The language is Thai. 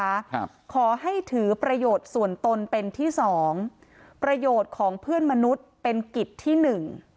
ครับขอให้ถือประโยชน์ส่วนตนเป็นที่สองประโยชน์ของเพื่อนมนุษย์เป็นกิจที่หนึ่ง